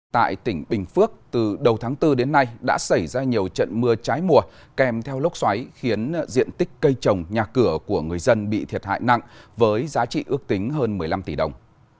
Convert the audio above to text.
tại tỉnh bình phước từ đầu tháng bốn đến nay đã xảy ra nhiều trận mưa trái mùa kèm theo lốc xoáy khiến diện tích cây trồng nhà cửa của người dân bị thiệt hại nặng với giá trị ước tính hơn một mươi năm tỷ đồng